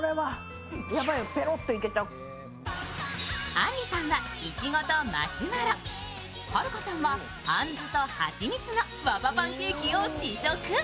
あんりさんはいちごとマシュマロ、はるかさんはあんずと蜂蜜のワパパンケーキを試食。